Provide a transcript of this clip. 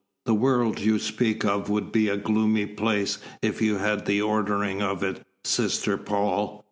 "The world you speak of would be a gloomy place if you had the ordering of it, Sister Paul!"